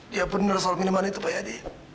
dia bener soal minuman itu pak yadi